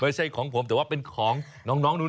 ไม่ใช่ของผมแต่ว่าเป็นของน้องนุน